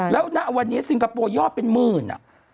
แล้วณวันนี้ซิงคโปร์ยอดเป็นหมื่นอ่ะ